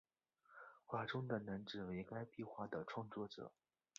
画中的男子为该壁画的创作者。